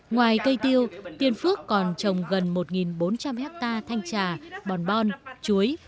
ngoài cây tiêu tiên phước còn trồng gần một bốn trăm linh hectare thanh trà bon bon chuối